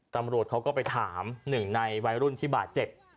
ตำรวจเขาก็ไปถามหนึ่งในวัยรุ่นที่บาดเจ็บ